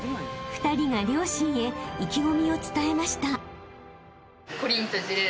［２人が両親へ意気込みを伝えました］